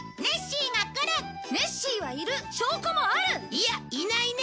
いやいないね！